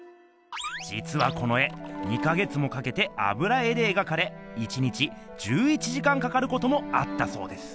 じつはこの絵２か月もかけて油絵で描かれ１日１１時間かかることもあったそうです。